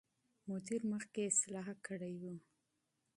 مدیر مخکې اصلاح کړې وه.